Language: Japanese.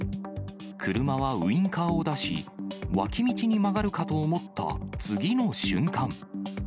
車はウインカーを出し、脇道に曲がるかと思った、次の瞬間。